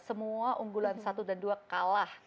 semua unggulan satu dan dua kalah